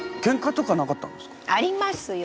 ありますよ